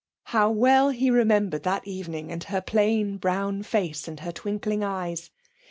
How well he remembered that evening and her plain brown face, with the twinkling eyes.